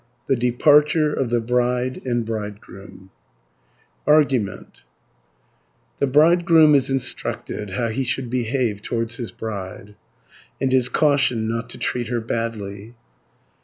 THE DEPARTURE OF THE BRIDE AND BRIDEGROOM Argument The bridegroom is instructed how he should behave towards his bride, and is cautioned not to treat her badly (1 264).